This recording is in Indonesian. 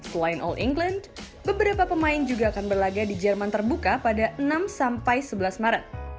selain all england beberapa pemain juga akan berlagak di jerman terbuka pada enam sampai sebelas maret